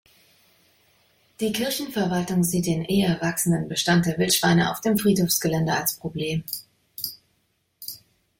Die Kirchenverwaltung sieht den eher wachsenden Bestand der Wildschweine auf dem Friedhofsgelände als Problem.